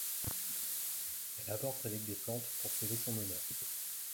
Elle avorte avec des plantes pour sauver son honneur.